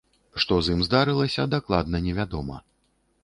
Што з ім здарылася, дакладна невядома.